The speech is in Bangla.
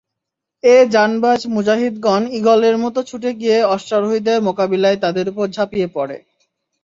এ জানবাজ মুজাহিদগণ ঈগলের মত ছুটে গিয়ে অশ্বারোহীদের মোকাবিলায় তাদের উপর ঝাঁপিয়ে পড়ে।